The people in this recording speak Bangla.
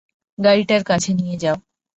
গাড়িটার কাছে নিয়ে যাও!